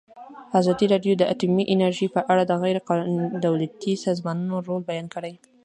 ازادي راډیو د اټومي انرژي په اړه د غیر دولتي سازمانونو رول بیان کړی.